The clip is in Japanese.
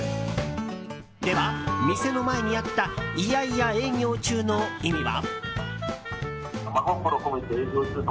では、店の前にあった「嫌々営業中」の意味は？